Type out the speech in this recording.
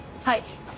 はい。